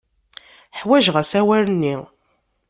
Ḥwajeɣ asawal-nni.